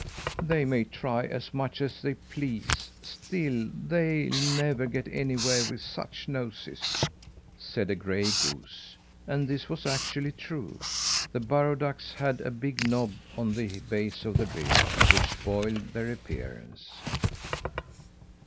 "They may try as much as they please, still they'll never get anywhere with such noses," said a gray goose. And this was actually true. The burrow ducks had a big knob on the base of the bill, which spoiled their appearance.